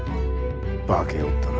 化けおったな。